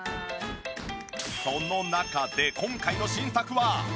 その中で今回の新作は！？